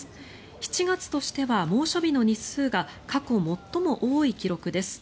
７月としては、猛暑日の日数が過去最も多い記録です。